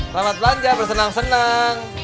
selamat belanja bersenang senang